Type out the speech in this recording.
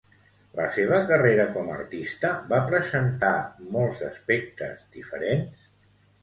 La seva carrera com artista va presentar molts aspectes diferents?